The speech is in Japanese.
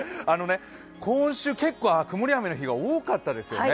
今週、結構曇り、雨の日が多かったですよね。